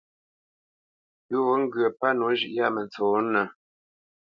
Pʉ̌ wo ŋgyə̌ pə́ nǒ zhʉ̌ʼ yâ mə ntsonə́nə̄,